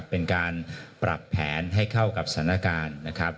เป็นการปรับแผนให้เข้ากับสถานการณ์นะครับ